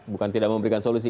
bukan tidak memberikan solusi